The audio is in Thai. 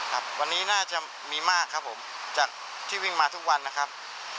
ครับวันนี้น่าจะมีมากครับผมจากที่วิ่งมาทุกวันนะครับ